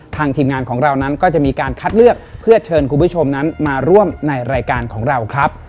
ทีมงานของเรานั้นก็จะมีการคัดเลือกเพื่อเชิญคุณผู้ชมนั้นมาร่วมในรายการของเราครับ